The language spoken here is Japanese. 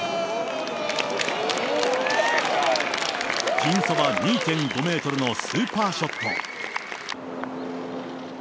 ピンそば２．５メートルのスーパーショット。